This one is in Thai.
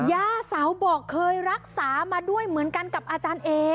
ย่าเสาบอกเคยรักษามาด้วยเหมือนกันกับอาจารย์เอ